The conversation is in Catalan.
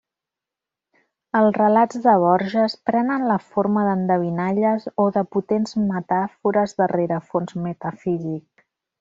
Els relats de Borges prenen la forma d'endevinalles, o de potents metàfores de rerefons metafísic.